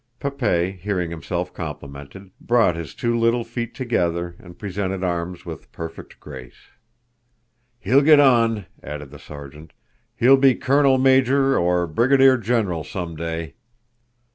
Pepe, hearing himself complimented, brought his two little feet together, and presented arms with perfect grace. "He'll get on!" added the sergeant. "He'll be colonel major or brigadier general some day."